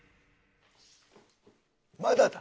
まだだ！